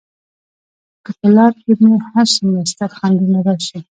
که په لار کې مې هر څومره ستر خنډونه راشي.